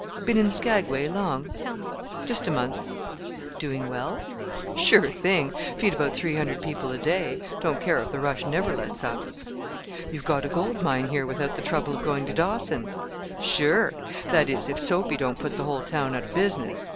"Been in Skagway long?" "Just a month." "Doing well?" "Sure thing! feed about three hundred people a day. Don't care if the rush never lets up." "You've got a gold mine here without the trouble of going to Dawson." "Sure! that is if Soapy don't put the whole town out of business.